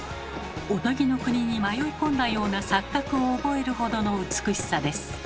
おとぎの国に迷い込んだような錯覚を覚えるほどの美しさです。